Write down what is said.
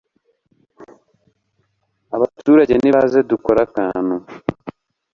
abaturage nibaze dukore akantu